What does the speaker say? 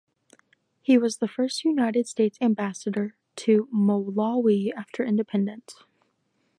He was the first United States Ambassador to Malawi after independence.